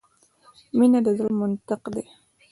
مینه د زړه منطق ده .